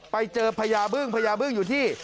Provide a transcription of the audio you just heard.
ไปเจอพญาบึ้งพญาบึ้งอยู่ที่